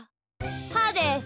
はーです。